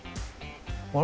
あれ？